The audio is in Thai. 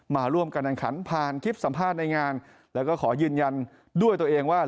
มาร่วมการแข่งขันผ่านคลิปสัมภาษณ์ในงานแล้วก็ขอยืนยันด้วยตัวเองว่า